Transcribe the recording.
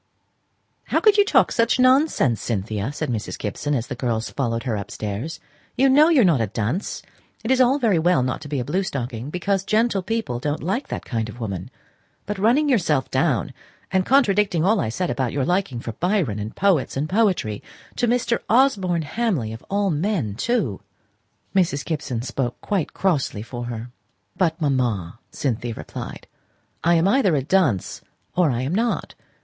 "How could you talk such nonsense, Cynthia!" said Mrs. Gibson, as the girls followed her upstairs. "You know you are not a dunce. It is all very well not to be a blue stocking, because gentle people don't like that kind of woman; but running yourself down, and contradicting all I said about your liking for Byron, and poets and poetry to Osborne Hamley of all men, too!" Mrs. Gibson spoke quite crossly for her. "But, mamma," Cynthia replied, "I am either a dunce, or I am not.